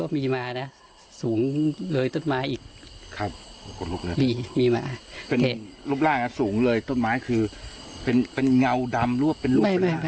เป็นรูปร่างสูงเลยต้นไม้คือเป็นเงาดำหรือเป็นรูปร่าง